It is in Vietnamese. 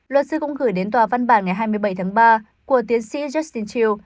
luật sư cũng gửi đến tòa văn bản ngày hai mươi bảy tháng ba của tiến sĩ justin tru